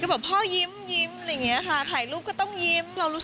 ก็แบบพ่อยิ้มเห็นเรื่องชอบเดร่า